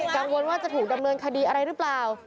กังวลว่าจะถูกดำเนินคดีอะไรหรือเปล่า